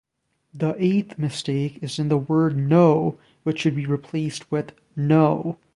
The eighth mistake is in the word "know" which should be replaced with "no".